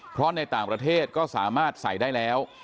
เพราะในต่างประเทศก็สามารถใส่ได้แล้ว